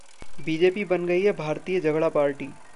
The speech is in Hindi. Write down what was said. बीजेपी बन गई है भारतीय झगड़ा पार्टी